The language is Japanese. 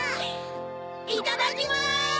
いただきます！